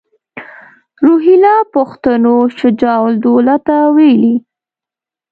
روهیله پښتنو شجاع الدوله ته ویلي.